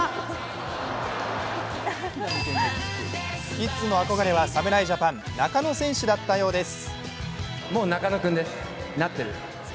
キッズの憧れは侍ジャパン、中野選手だったようです。